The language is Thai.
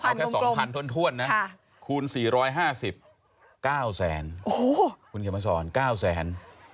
เอาแค่๒๐๐ถ้วนนะคูณ๔๕๐๙แสนคุณเขียนมาสอน๙แสน